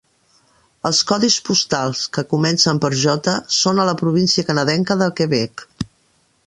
Els codis postals que comencen per J són a la província canadenca de Quebec.